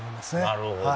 なるほど。